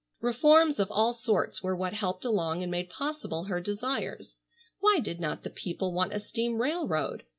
Reforms of all sorts were what helped along and made possible her desires. Why did not the people want a steam railroad?